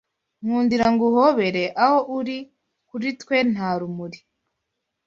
nkundira nguhobere aho uri kuritwe nta rumuri